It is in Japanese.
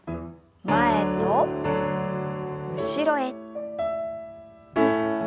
前と後ろへ。